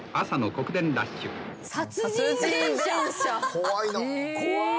怖いな。